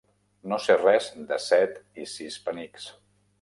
No sé res de set i sis penics.